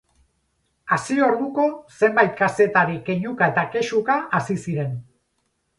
Hasi orduko, zenbait kazetari keinuka eta kexuka hasi ziren.